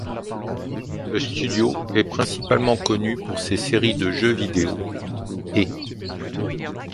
Le studio est principalement connu pour ses séries de jeu vidéo ' et '.